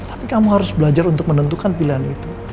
tapi kamu harus belajar untuk menentukan pilihan yang sulit